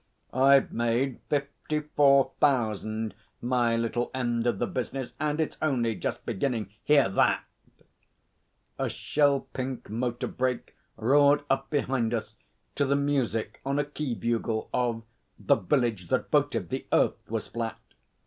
'I've made fifty four thousand my little end of the business, and it's only just beginning. Hear that!' A shell pink motor brake roared up behind us to the music on a key bugle of 'The Village that Voted the Earth was Flat.'